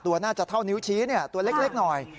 น่าจะเท่านิ้วชี้ตัวเล็กหน่อย